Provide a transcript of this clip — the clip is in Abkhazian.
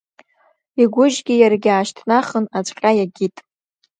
Игәыжьгьы иаргьы аашьҭнахын, ацәҟьа иакит.